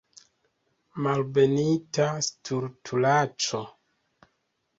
Malbenita stultulaĉo.